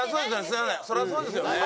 そりゃそうですよね。